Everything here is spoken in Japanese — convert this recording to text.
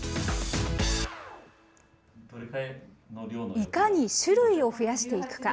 いかに種類を増やしていくか。